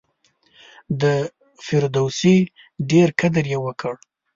د فردوسي ډېر قدر یې وکړ.